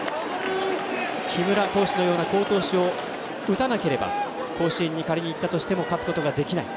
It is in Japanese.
木村投手のような好投手を打たなければ甲子園に仮に行ったとしても勝つことができない。